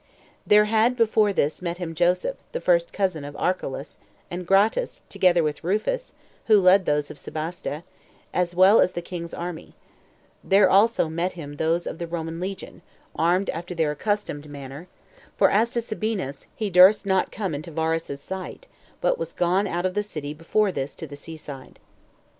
There had before this met him Joseph, the first cousin of Archelaus, and Gratus, together with Rufus, who led those of Sebaste, as well as the king's army: there also met him those of the Roman legion, armed after their accustomed manner; for as to Sabinus, he durst not come into Varus's sight, but was gone out of the city before this, to the sea side.